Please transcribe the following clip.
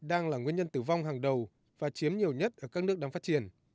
đang là nguyên nhân tử vong hàng đầu và chiếm nhiều nhất ở các nước đang phát triển